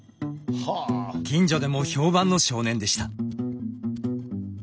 近所でも評判の少年でした。